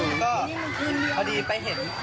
เราก็เลยแบบมีที่มันทางแล้ว